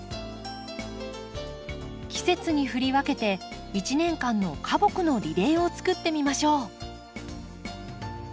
季節に振り分けて一年間の花木のリレーを作ってみましょう。